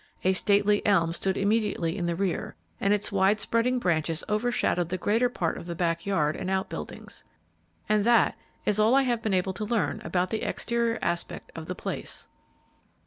A stately elm stood immediately in the rear, and its wide spreading branches overshadowed the greater part of the back yard and outbuildings. And that is all I have been able to learn about the exterior aspect of the place.